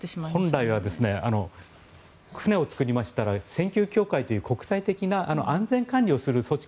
本来は船を造りましたら船級協会という国際的な安全管理をする組織